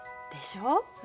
でしょ？